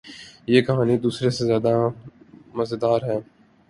یہ کہانی دوسرے سے زیادو مزیدار ہے